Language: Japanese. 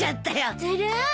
ずるーい！